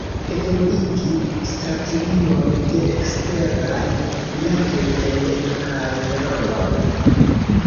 Evoluigi strategion de eksteraj rilatoj en edukaj rondoj.